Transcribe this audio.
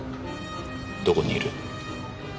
どこにいる？